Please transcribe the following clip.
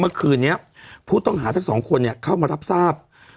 เมื่อคืนนี้ผู้ต้องหาทั้งสองคนเนี่ยเข้ามารับทราบ